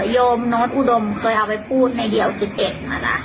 โยมนฤอูดมเคยเอาให้พูดในเดียว๑๑มาล่ะ